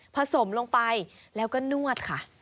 สมลงไปแล้วก็นวดค่ะ